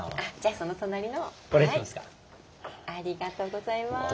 ありがとうございます。